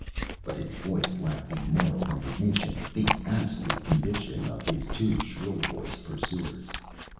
But his voice lacked the moral indignation, the absolute conviction of his two shrill voiced pursuers.